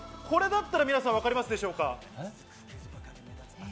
これだったら皆さん分かりますでしょうか？